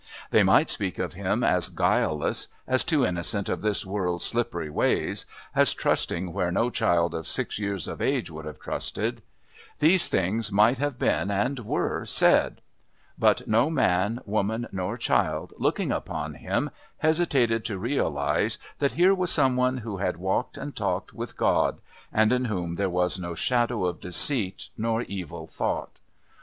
They might speak of him as guileless, as too innocent of this world's slippery ways, as trusting where no child of six years of age would have trusted; these things might have been, and were, said, but no man, woman, nor child, looking upon him, hesitated to realise that here was some one who had walked and talked with God and in whom there was no shadow of deceit nor evil thought.